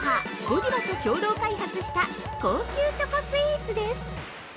ゴディバと共同開発した高級チョコスイーツです。